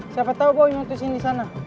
siapa tau boy mau tersin disana